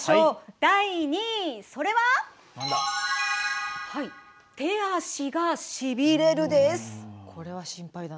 第２位「手足がしびれる」です。